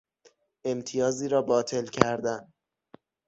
امتیازی را باطل کردن